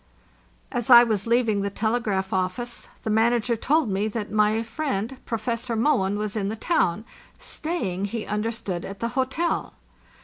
As I was leaving the telegraph office the manager told me that my friend Professor Mohn was in the town, staying, he understood, at the hotel.